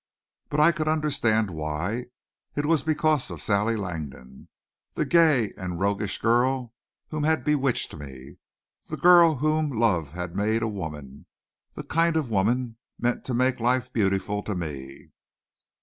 But I could understand why. It was because of Sally Langdon, the gay and roguish girl who had bewitched me, the girl whom love had made a woman the kind of woman meant to make life beautiful for me.